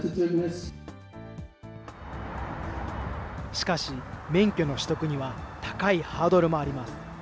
しかし、免許の取得には高いハードルもあります。